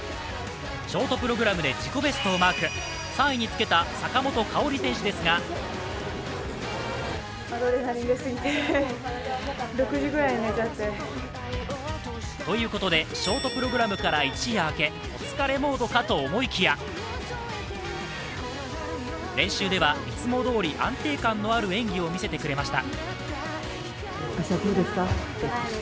ショートプログラムで自己ベストをマーク、３位につけた坂本花織選手ですがということでショートプログラムから一夜明け、お疲れモードかと思いきや、練習ではいつもどおり安定感のある演技を見せてくれました。